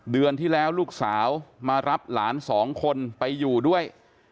เดือนที่แล้วลูกสาวมารับหลานสองคนไปอยู่ด้วย